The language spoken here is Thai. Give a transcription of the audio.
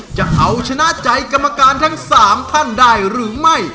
จะเอาชนะใจกรรมการทั้ง๓ท่านได้หรือไม่